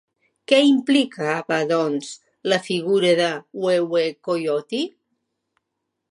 Què implicava, doncs, la figura de Huehuecoyotl?